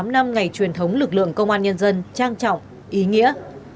bảy mươi tám năm ngày truyền thống lực lượng công an nhân dân trang trọng ý nghĩa